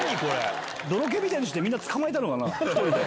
ドロケイみたいのしてみんな捕まえたのかな？